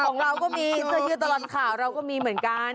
ของเราก็มีเสื้อยืดตลอดข่าวเราก็มีเหมือนกัน